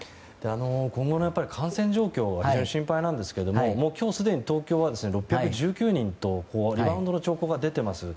今後の感染状況が非常に心配なんですけど今日すでに東京は６１９人とリバウンドの兆候が出ています。